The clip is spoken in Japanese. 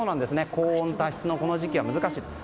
高温多湿のこの時期は難しいようです。